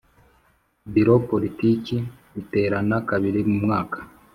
Biro Politiki iterana kabiri mu mwaka